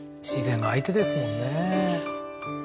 自然が相手ですもんね